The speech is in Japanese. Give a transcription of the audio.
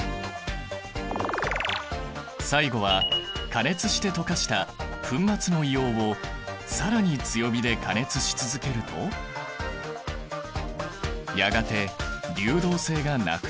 最後は加熱して溶かした粉末の硫黄を更に強火で加熱し続けるとやがて流動性がなくなる。